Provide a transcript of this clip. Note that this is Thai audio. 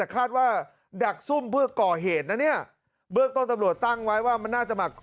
คาดว่าดักซุ่มเพื่อก่อเหตุนะเนี่ยเบื้องต้นตำรวจตั้งไว้ว่ามันน่าจะมา